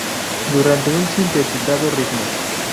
Durante un sintetizado ritmo.